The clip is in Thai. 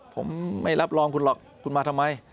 ผมไม่รับรองคุณหรอกคุณมาทำไม